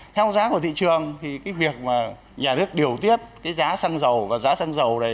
theo giá của thị trường thì cái việc mà nhà nước điều tiết cái giá xăng dầu và giá xăng dầu này